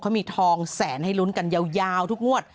เขามีทองแสนให้ลุ้นกันยาวทุกงวด